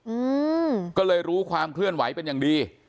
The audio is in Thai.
อืมก็เลยรู้ความเคลื่อนไหวเป็นอย่างดี